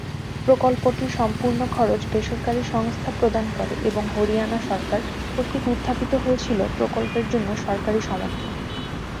প্রকল্পটির সম্পূর্ণ খরচ বেসরকারি সংস্থা প্রদান করে এবং হরিয়ানা সরকার কর্তৃক উত্থাপিত হয়েছিল প্রকল্পের জন্য সরকারি সমর্থন।